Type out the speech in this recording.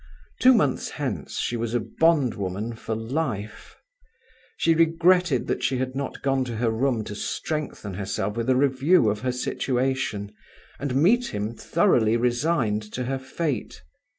Two months hence she was a bondwoman for life! She regretted that she had not gone to her room to strengthen herself with a review of her situation, and meet him thoroughly resigned to her fate.